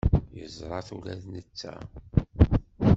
Yeẓra-t ula d netta.